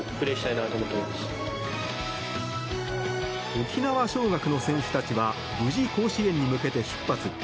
沖縄尚学の選手たちは無事、甲子園に向けて出発。